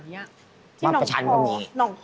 ที่น้องคอน้องประชันก็มี